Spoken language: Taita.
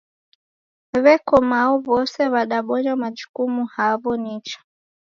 W'eke mao w'ose w'adabonya majukumu haw'o nicha